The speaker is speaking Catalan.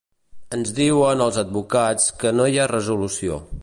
Ens diuen els advocats que no hi ha resolució.